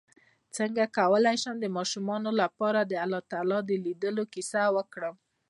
څنګه کولی شم د ماشومانو لپاره د الله تعالی لیدلو کیسه وکړم